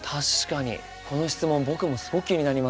この質問僕もすごく気になります。